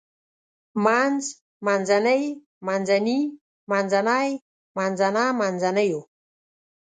منځ منځنۍ منځني منځتی منځته منځنيو